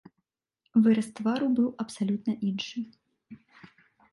Выраз твару быў абсалютна іншы.